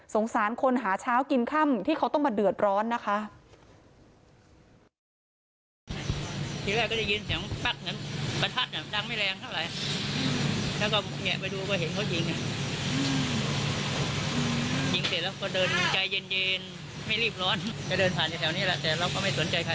สารคนหาเช้ากินค่ำที่เขาต้องมาเดือดร้อนนะคะ